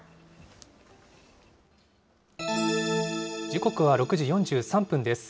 時刻は６時４３分です。